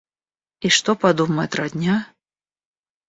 И что подумает родня?